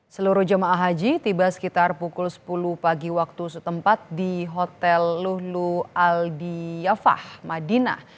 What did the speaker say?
seluruh jemaah haji tiba sekitar pukul sepuluh pagi waktu setempat di hotel luhlu aldiyafah madinah